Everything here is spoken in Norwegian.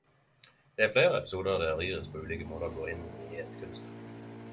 Det er fleire episodar der Iris på ulike måtar går inn i eit kunstverk.